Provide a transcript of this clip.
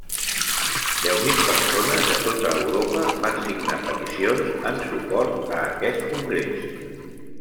Deu mil persones de tota Europa van signar peticions en suport a aquest congrés.